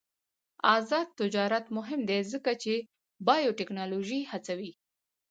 آزاد تجارت مهم دی ځکه چې بایوټیکنالوژي هڅوي.